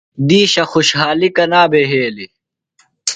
دِیشہ خوشحالیۡ کنا بھےۡ یھیلیۡ؟